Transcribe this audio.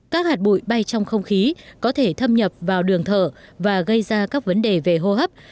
các hạt bụi bay trong không khí có thể thâm nhập vào đường thở và gây ra các vấn đề về hô hấp